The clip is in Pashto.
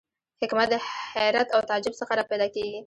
حکمت د حیرت او تعجب څخه را پیدا کېږي.